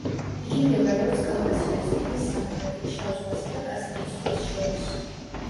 იგი მდებარეობს კავკასიონის ქედის სამხრეთით შავ ზღვასა და კასპიის ზღვას შორის.